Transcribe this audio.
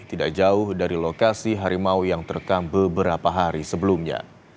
tidak jauh dari lokasi harimau yang terekam beberapa hari sebelumnya